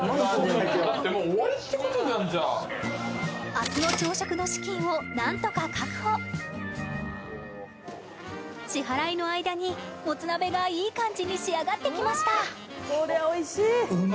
明日の朝食の資金を何とか確保支払いの間にもつ鍋がいい感じに仕上がってきましたうま。